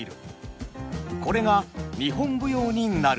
これが日本舞踊になると。